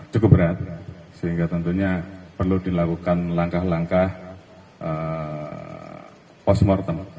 cukup berat sehingga tentunya perlu dilakukan langkah langkah post mortem